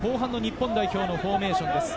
今、出ているのが後半の日本代表のフォーメーションです。